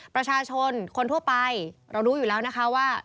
ประชาชนคนทั่วไปเรารู้อยู่แล้วนะคะว่า